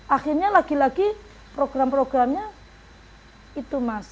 akhirnya lagi lagi program programnya itu mas